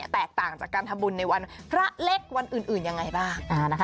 แตกต่างจากการทำบุญในวันพระเล็กวันอื่นยังไงบ้าง